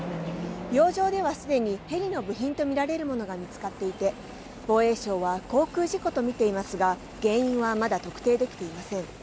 洋上では既にヘリの部品とみられるものが見つかっていて防衛省は航空事故とみていますが原因はまだ特定できていません。